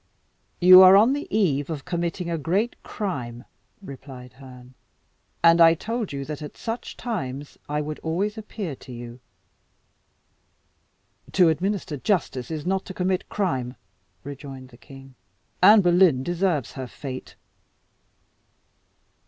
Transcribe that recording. "You are on the eve of committing a great crime," replied Herne; "and I told you that at such times I would always appear to you." "To administer justice is not to commit crime," rejoined the king. "Anne Boleyn deserves her fate."